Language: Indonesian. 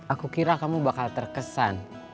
aku kira kamu bakal terkesan